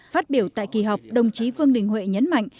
phát biểu tại kỳ họp đồng chí vương đình huệ nhấn mạnh